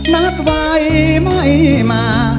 นัดไว้ไม่มา